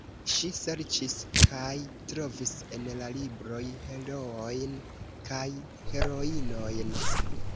Ŝi serĉis kaj trovis en la libroj heroojn kaj heroinojn.